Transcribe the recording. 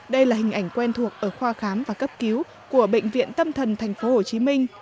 đây là hình ảnh quen thuộc ở khoa khám và cấp cứu của bệnh viện tâm thần tp hcm